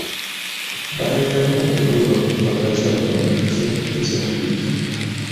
Baayitamu okutuuka ku mpaka z'akamalirizo eza liigi..